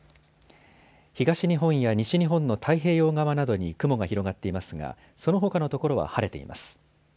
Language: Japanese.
東日本や西日本の太平洋側などに雲が広がっていますがそのほかの所は晴れています。